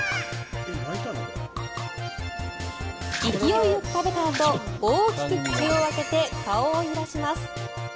勢いよく食べたあと大きく口を開けて顔を揺らします。